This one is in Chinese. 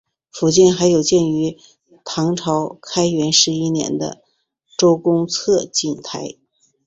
附近还有建于唐朝开元十一年的周公测景台。